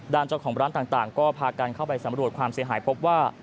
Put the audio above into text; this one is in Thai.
ด้านเจ้าของร้านต่างก็พากันเข้าไปสำรวจความเสียหายพบว่า